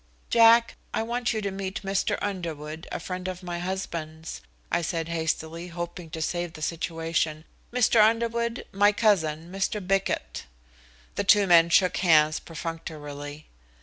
"Jack, I want you to meet Mr. Underwood, a friend of my husband's," I said hastily, hoping to save the situation. "Mr. Underwood, my cousin, Mr. Bickett." The two men shook hands perfunctorily.